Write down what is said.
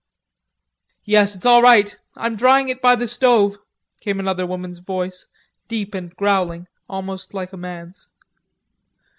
"Yes, it's all right. I'm drying it by the stove," came another woman's voice, deep and growling, almost like a man's.